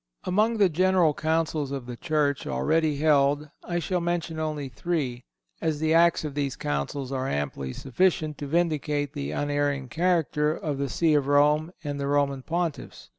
Among the General Councils of the Church already held I shall mention only three, as the acts of these Councils are amply sufficient to vindicate the unerring character of the See of Rome and the Roman Pontiffs.